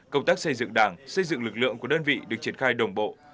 công tác xây dựng đảng xây dựng lực lượng của đơn vị được triển khai đồng bộ